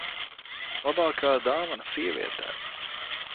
Labākā dāvana sievietēm.